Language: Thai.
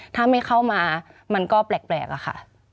ถ้าไม่เข้ามามันก็แปลกอะค่ะ